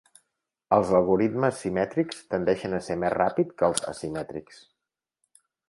Els algoritmes simètrics tendeixen a ser més ràpids que els asimètrics.